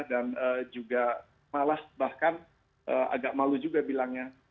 dan juga malas bahkan agak malu juga bilangnya